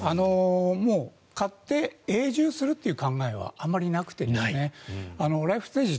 買って永住するという考えはあまりなくてですねライフステージ